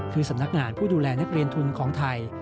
คือสำนักงานผู้ดูแลนักเรียนทุนของไทย